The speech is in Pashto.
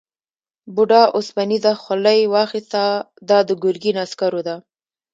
بوډا اوسپنيزه خولۍ واخیسته دا د ګرګین عسکرو ده.